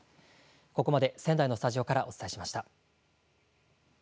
ここまで仙台のスタジオからお伝えしました。